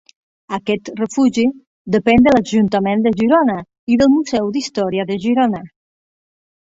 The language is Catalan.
Aquest refugi depèn de l'Ajuntament de Girona i del Museu d'Història de Girona.